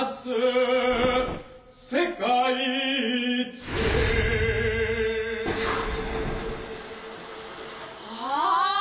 「世界一」あ！